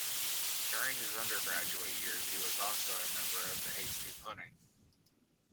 During his undergraduate years, he was also a member of the Hasty Pudding.